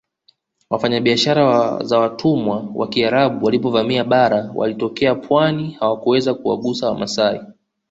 Wafanyabiashara za watumwa wa Kiarabu walipovamia bara wakitokea pwani hawakuweza kuwagusa wamasai